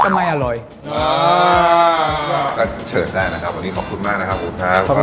เชิญได้นะครับวันนี้ขอบคุณมากนะครับผมครับ